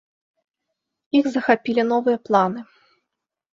Іх захапілі новыя планы.